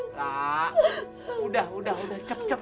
lah udah udah cep cep cep